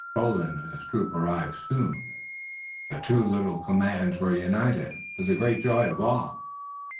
Colden and his troop arrived soon, and the two little commands were united, to the great joy of all.